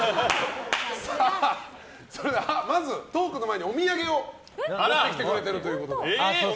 それではまずトークの前にお土産を持ってきてくれているということで。